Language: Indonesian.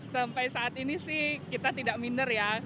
sampai saat ini sih kita tidak minder ya